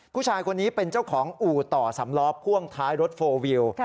ผู้ชายคนนี้เป็นเจ้าของอู่ต่อสำล้อพ่วงท้ายรถโฟลวิว